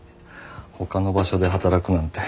ほかの場所で働くなんて。